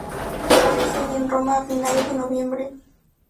Velázquez seguía en Roma a finales de noviembre.